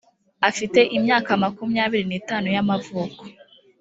afite imyaka makumyabiri n ‘itanu y ‘amavuko .